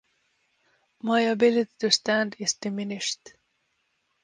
My ability to stand is diminished.